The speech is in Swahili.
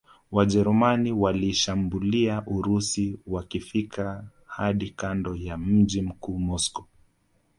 Wajerumani waliishambulia Urusi wakifika hadi kando ya mji mkuu Moscow